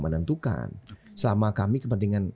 menentukan sama kami kepentingan